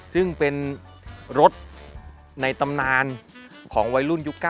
ซึ่งเป็นรถในตำนานของวัยรุ่นยุค๙